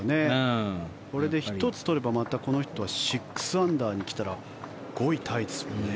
これで１つ取ればまたこの人は６アンダーに来たら５位タイですもんね。